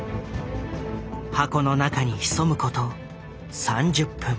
箱の中に潜むこと３０分。